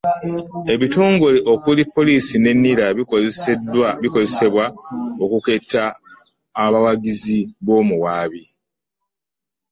Ebitongole okuli; poliiisi ne NIRA bikozesebwa okuketta abawagizi b'omuwaabi